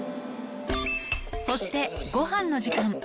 そして、ごはんの時間。